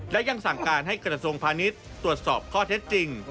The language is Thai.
และยังสั่งการให้กระทรวงพาณิชย์ตรวจสอบข้อเท็จจริง